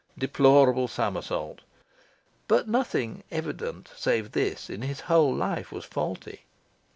Deplorable somersault? But nothing evident save this in his whole life was faulty...